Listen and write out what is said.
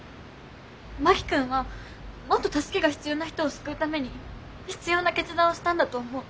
真木君はもっと助けが必要な人を救うために必要な決断をしたんだと思う。